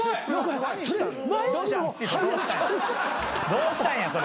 どうしたんやそれ。